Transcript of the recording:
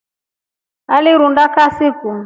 Alirunda kasi ku?